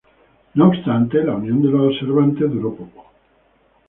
No obstante, la unión de los observantes duró poco.